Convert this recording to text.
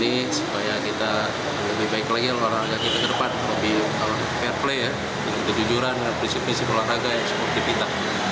lebih fair play ya dengan kejujuran dengan persepsi olahraga yang seperti kita